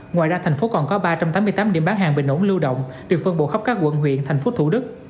ngoài ra thành phố còn có ba trăm tám mươi tám điểm bán hàng bình ổn lưu động được phân bổ khắp các quận huyện thành phố thủ đức